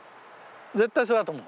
絶対そうだと思う。